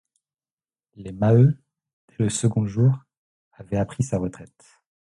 Les Maheu, dès le second jour, avaient appris sa retraite.